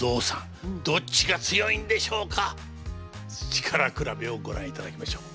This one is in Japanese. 力比べをご覧いただきましょう。